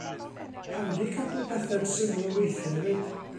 Handi cadw pethe'n syml weithiau 'fyd!